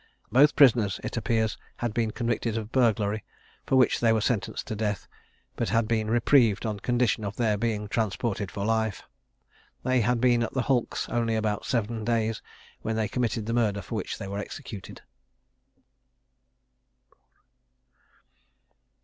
Both prisoners, it appears, had been convicted of burglary, for which they were sentenced to death, but had been reprieved on condition of their being transported for life. They had been at the hulks only about seven days, when they committed the murder for which they were executed.